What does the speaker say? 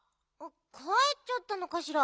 かえっちゃったのかしら。